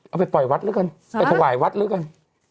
เอาไปปล่อยวัดแล้วกันไปถวายวัดแล้วกัน